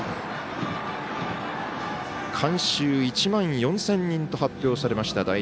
観衆１万４０００人と発表されました